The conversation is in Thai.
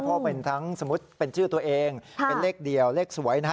เพราะเป็นทั้งสมมุติเป็นชื่อตัวเองเป็นเลขเดียวเลขสวยนะฮะ